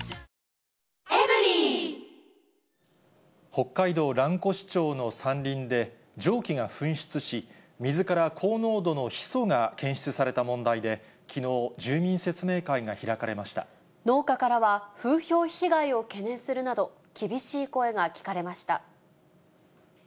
北海道蘭越町の山林で、蒸気が噴出し、水から高濃度のヒ素が検出された問題で、きのう、農家からは、風評被害を懸念するなど、厳しい声が聞かれました。